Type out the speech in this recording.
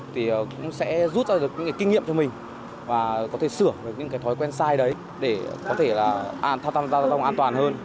thì cũng sẽ rút ra được những kinh nghiệm cho mình và có thể sửa những thói quen sai đấy để có thể giao thông an toàn hơn